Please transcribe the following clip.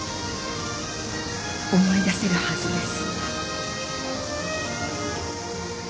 思い出せるはずです。